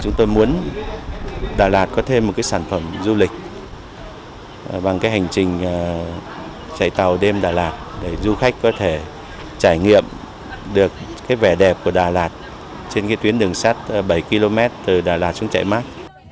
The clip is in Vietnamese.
chúng tôi muốn đà lạt có thêm một sản phẩm du lịch bằng cái hành trình chạy tàu đêm đà lạt để du khách có thể trải nghiệm được cái vẻ đẹp của đà lạt trên cái tuyến đường sát bảy km từ đà lạt xuống chạy mát